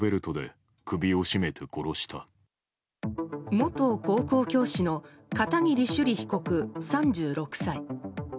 元高校教師の片桐朱璃被告、３６歳。